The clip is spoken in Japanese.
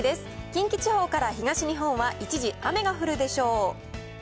近畿地方から東日本は、一時雨が降るでしょう。